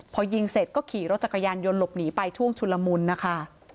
พอยิงเสร็จก็ขี่รถจักรยานยนต์หลบหนีไปช่วงชุนละมุนนะคะ